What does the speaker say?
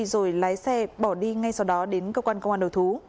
rồi lái xe bỏ đi ngay sau đó đến cơ quan công an đầu thú